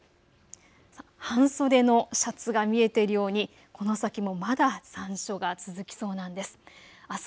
半袖のシャツが見えているようにこの先もまだ残暑が続きそうなんです。